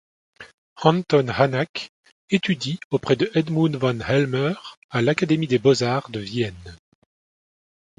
Anton Hanak étudie auprès de Edmund von Hellmer à l'Académie des beaux-arts de Vienne.